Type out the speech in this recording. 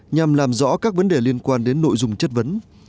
nhằm làm rõ các vấn đề liên quan đến nội dung chất vấn